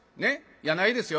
いやないですよ。